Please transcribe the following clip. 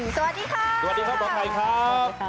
สวัสดีค่ะสวัสดีครับหมอไก่ครับ